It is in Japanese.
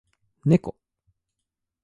猫